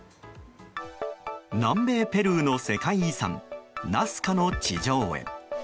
南米ペルーの世界遺産ナスカの地上絵。